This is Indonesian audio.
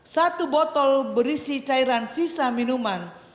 satu botol berisi cairan sisa minuman